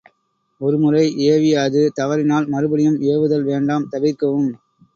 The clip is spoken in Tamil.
ஒரு முறை ஏவிய அது தவறினால் மறுபடியும் ஏவுதல் வேண்டாம் தவிர்க்கவும்.